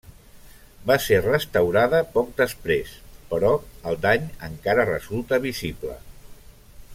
Va ser restaurada poc després, però el dany encara resulta visible.